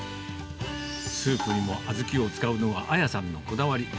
スープにも小豆を使うのがあやさんのこだわり。